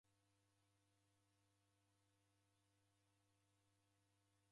Daw'ida w'ana w'adabung'a modenyi.